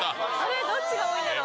どっちが多いんだろう？